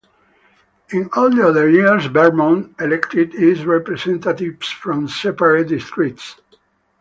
In all other years, Vermont elected its representatives from separate districts.